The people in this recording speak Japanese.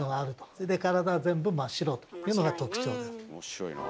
それで体が全部真っ白というのが特徴であると。